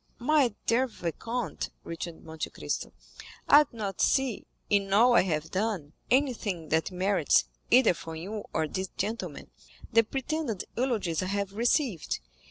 "My dear vicomte," returned Monte Cristo, "I do not see, in all I have done, anything that merits, either from you or these gentlemen, the pretended eulogies I have received.